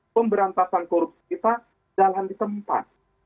pemberantasan korupsi kita jalan di tempat